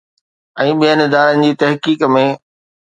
۽ ٻين ادارن جي تحقيق ۾